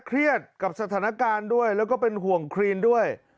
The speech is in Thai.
เครียดกับสถานการณ์ด้วยแล้วก็เป็นห่วงครีนด้วย